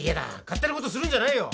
勝手なことするんじゃないよ。